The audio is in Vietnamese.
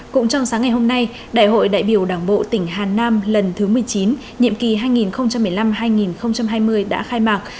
cũng trong sáng ngày hôm nay đại hội đại biểu đảng bộ tỉnh hà nam lần thứ một mươi chín nhiệm kỳ hai nghìn một mươi năm hai nghìn hai mươi đã khai mạc